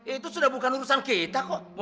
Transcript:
itu sudah bukan urusan kita kok